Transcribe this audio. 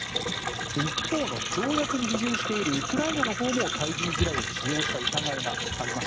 一方の条約に批准しているウクライナのほうも対人地雷を使用した疑いがあります。